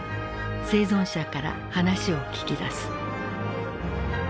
生存者から話を聞き出す。